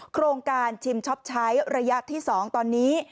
โครงการชิมช็อปใช้ระยะที่๒ตอนนี้